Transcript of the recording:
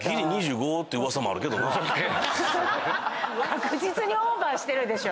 確実にオーバーしてるでしょ。